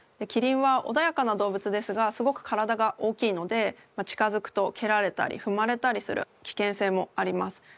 キリンはおだやかな動物ですがすごく体が大きいので近づくとけられたりふまれたりするきけんせいもあります。